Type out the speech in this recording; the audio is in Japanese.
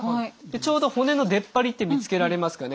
ちょうど骨の出っ張りって見つけられますかね。